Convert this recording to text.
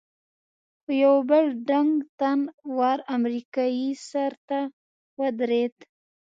خو یو بل ډنګ، تن ور امریکایي سر ته ودرېد.